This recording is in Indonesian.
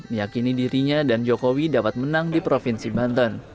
meyakini dirinya dan jokowi dapat menang di provinsi banten